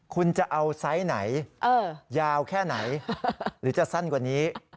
คุณจะเอาไซส์ไหนยาวแค่ไหนหรือจะสั้นกว่านี้